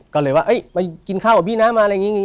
ก็เลยว่าไปกินข้าวกับพี่นะมาอะไรอย่างนี้